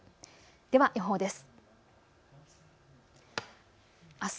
では予報です。